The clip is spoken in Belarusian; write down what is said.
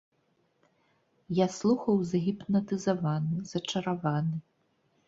Я слухаў загіпнатызаваны, зачараваны.